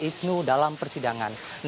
isnu dalam persidangan